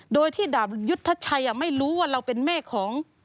โดยที่ดาบยุทธชัยไม่รู้ว่าเราเป็นแม่ของ